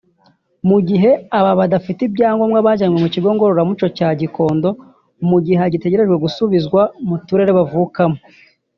mu gihe aba badafite ibyangombwa bajyanywe ku kigo ngororamuco cya Gikondo mu gihe hagitegerejwe gusubizwa mu turere bavukamo